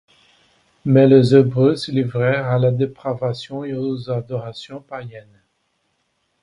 Mais les Hébreux se livrèrent à la dépravation et aux adorations païennes.